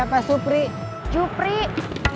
kalian bisa ukrainian